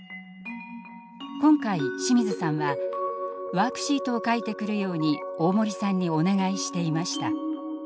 今回清水さんはワークシートを書いてくるように大森さんにお願いしていました。